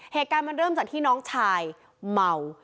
เหตุการณ์มันเริ่มจากที่น้องชายเมา